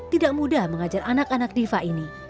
tidak mudah mengajar anak anak diva ini